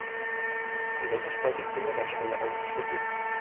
In welcher Spalte ist die Mehrwertsteuer aufgeschlüsselt?